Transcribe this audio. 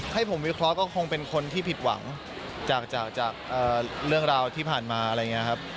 ให้ผมวิเคราะห์ก็คงเป็นคนที่ผิดหวังจากเรื่องราวที่ผ่านมาอะไรอย่างนี้ครับ